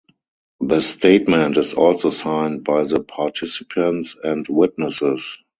The statement is also signed by the participants and witnesses.